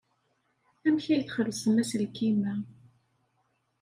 Amek ay txellṣem aselkim-a?